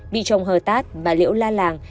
bị chồng hờ tát bà liễu la làng